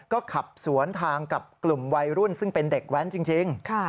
ก็ขับสวนทางกับกลุ่มวัยรุ่นซึ่งเป็นเด็กแว้นจริง